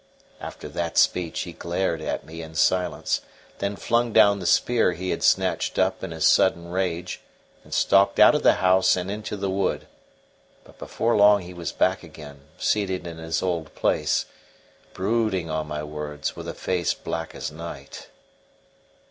After that speech he glared at me in silence, then flung down the spear he had snatched up in his sudden rage and stalked out of the house and into the wood; but before long he was back again, seated in his old place, brooding on my words with a face black as night.